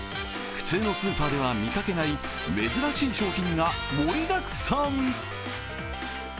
普通のスーパーでは見かけない珍しい商品が盛りだくさん。